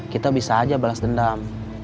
kita bisa aja balas dendam